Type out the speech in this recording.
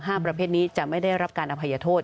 ประเภทนี้จะไม่ได้รับการอภัยโทษ